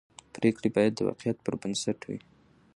پرېکړې باید د واقعیت پر بنسټ وي